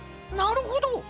なるほど！